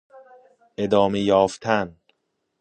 ادامه یافتن